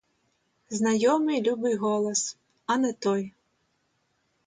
Знайомий любий голос, а не той.